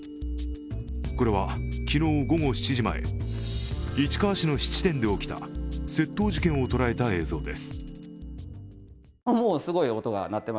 これは、昨日午後７時前、市川市の質店で起きた窃盗事件を捉えた映像です。